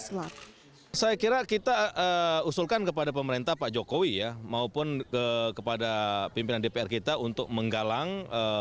saya kira kita usulkan kepada pemerintah pak jokowi ya maupun kepada pimpinan dpr kita untuk menggalang